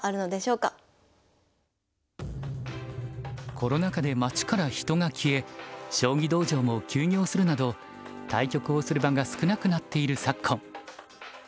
コロナ禍で街から人が消え将棋道場も休業するなど対局をする場が少なくなっている昨今。